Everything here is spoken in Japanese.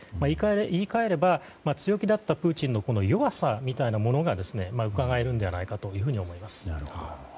言い換えれば強気だったプーチンの弱さみたいなものがうかがえるのではないかと思えます。